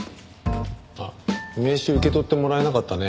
あっ名刺受け取ってもらえなかったね。